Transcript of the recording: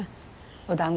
おだんご。